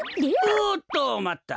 おっとまった！